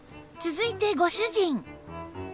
続いてご主人